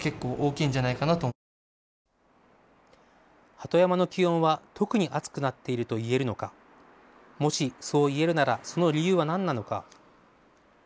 鳩山の気温は特に暑くなっているといえるのかもしそういえるならその理由はなんなのか。